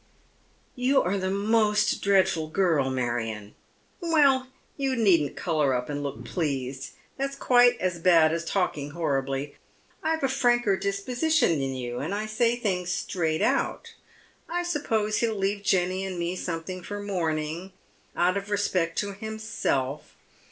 ♦' You are the most dreadful girl, Marion." •* Well, you needn't colour up and look pleased. That's quits 24* Deaa MerCi Shoes. as bad as talking horribly. I've a franker disposition than yott, and I say things straight out. I suppose he'll leave Jenny and me something for mourning, out of respect to himself.